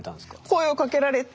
声をかけられて。